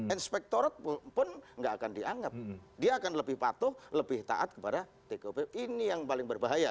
inspektorat pun nggak akan dianggap dia akan lebih patuh lebih taat kepada tgupp ini yang paling berbahaya